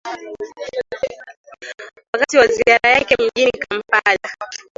wakati wa ziara yake mjini kampala